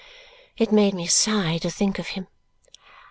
It made me sigh to think of him.